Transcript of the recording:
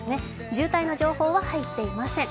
渋滞の情報は入っていません。